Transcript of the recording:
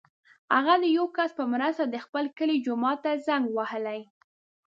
هغه د یو کس په مرسته د خپل کلي جومات ته زنګ وهلی.